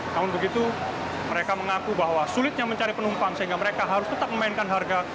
namun begitu mereka mengaku bahwa sulitnya mencari penumpang sehingga mereka harus tetap memainkan harga